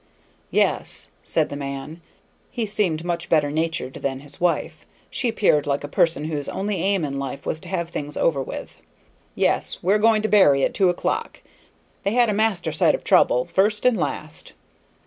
"Yes," said the man, who seemed much better natured than his wife. She appeared like a person whose only aim in life was to have things over with. "Yes, we're going to bury at two o'clock. They had a master sight of trouble, first and last."